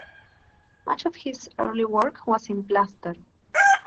Much of his early work was in plaster.